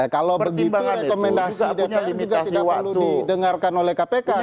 kalau begitu rekomendasi dpr juga tidak perlu didengarkan oleh kpk